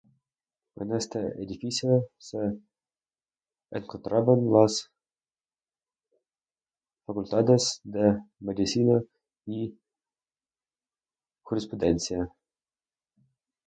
En este edificio se encontraban las facultades de Medicina y Jurisprudencia.